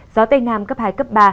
gió tây nam cấp hai cấp ba